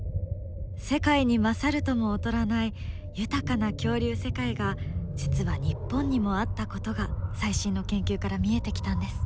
世界に勝るとも劣らない豊かな恐竜世界が実は日本にもあったことが最新の研究から見えてきたんです。